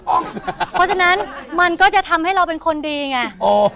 เพราะฉะนั้นมันก็จะทำให้เราเป็นคนดีไง